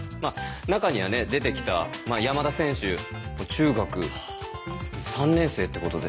中にはね出てきた山田選手中学３年生ってことで。